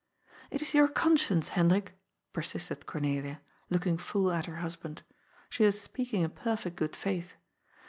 "It is your conscience, Hendrik," persisted Cornelia, looking full at her husband. She was speaking in perfect good faith.